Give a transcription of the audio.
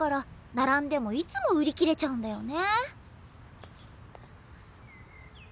並んでもいつも売り切れちゃうんだよね。